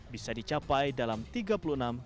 bisa dicapai dalam tiga puluh enam jam